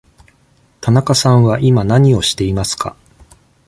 田中さんは今何をしていますか。